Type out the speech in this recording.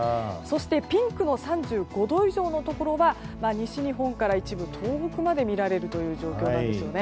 ピンクの３５度以上のところは西日本から一部東北まで見られるという状況なんですね。